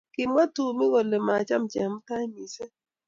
kimwa tumi kole macham jemutai missing